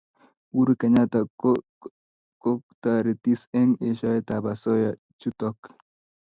uhuru kenyatta ko kotaretis eng' eshoet ab asoya chutok